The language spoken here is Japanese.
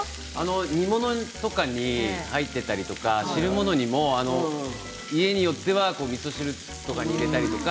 煮物に入ってたり汁物にも家によってはみそ汁とかに入れたりとか。